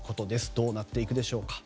どうなっていくでしょうか。